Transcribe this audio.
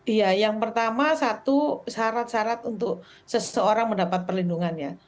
iya yang pertama satu syarat syarat untuk seseorang mendapat perlindungannya